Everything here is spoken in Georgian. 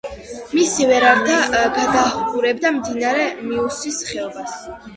მისი ვერანდა გადაჰყურებდა მდინარე მიუსის ხეობას.